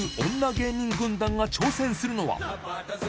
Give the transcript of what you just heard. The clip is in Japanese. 芸人軍団が挑戦するのは。